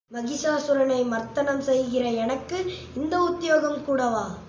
மகிஷாசுரனை மர்த்தனம் செய்கிற எனக்கு இந்த உத்தியோகம் கூடவா?